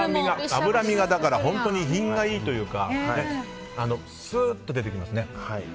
脂身が本当に品がいいというかスーッと出てきますね。